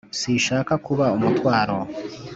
sinshaka kuba umutwaro